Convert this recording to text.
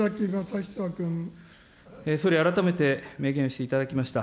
総理、改めて明言していただきました。